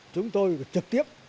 chúng tôi trực tiếp